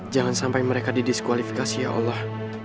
jangan sampai mereka didiskualifikasi ya allah